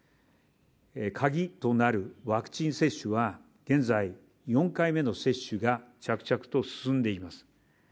カギとなるワクチン接種は現在、４回目の接種が着々と進んでいます